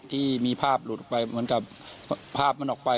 ที่มีภาพหลุดออกไปเหมือนกับภาพมันออกไป